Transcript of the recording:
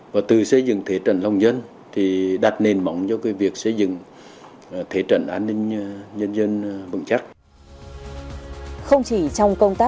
và từ xây dựng thể trận lòng dân thì đặt nền mỏng cho việc xây dựng thể trận an ninh